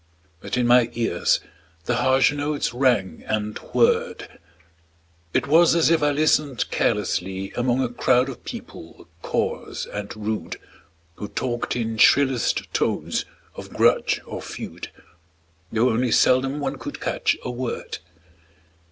But in my ears the harsh notes rang and whirred; It was as if I listened carelessly Among a crowd of people coarse and rude, Who talked in shrillest tones of grudge or feud, Though only seldom one could catch a word.